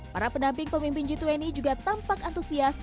para pendamping pemimpin g dua puluh juga tampak antusias